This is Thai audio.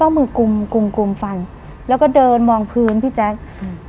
เอามือกลุ่มกุมกลุ่มกุมฟันแล้วก็เดินมองพื้นพี่แจ๊คอืม